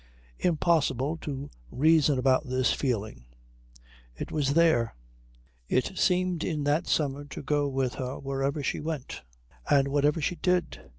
Impossible to reason about this feeling. It was there. It seemed in that summer to go with her where ever she went and whatever she did.